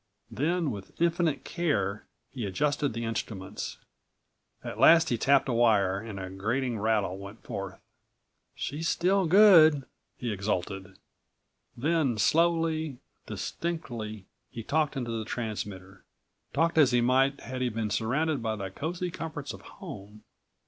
Then with infinite care he adjusted the instruments. At last he tapped a wire and a grating rattle went forth. "She's still good," he exulted. Then slowly, distinctly, he talked into the transmitter, talked as he might had he been surrounded by the cozy comforts of home.